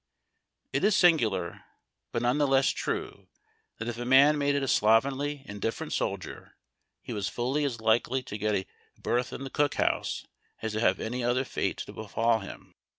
It is singu lar, but none the less true, that if a man made a slovenly, indifferent soldier he was fully as likely to get a berth in the cook house as to have any other fate befall hini.